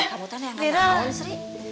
kamu tanya sama mbak monsri